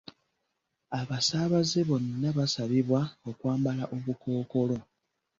Abasaabaze bonna basabibwa okwambala obukookolo.